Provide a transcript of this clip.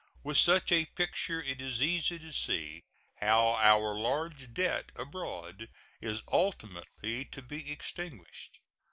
With such a picture it is easy to see how our large debt abroad is ultimately to be extinguished.